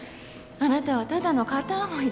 あなたはただの片思いでしょう。